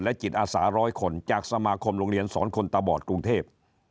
จิตอาสาร้อยคนจากสมาคมโรงเรียนสอนคนตาบอดกรุงเทพ